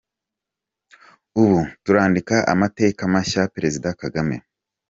Ubu turandika amateka mashya – Perezida Kagame